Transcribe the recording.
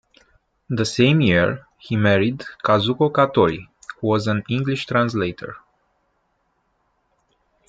The same year, he married Kazuko Katori, who was an English translator.